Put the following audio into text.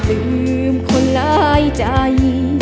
ถ้าการไม่ลืมคนร้ายใจ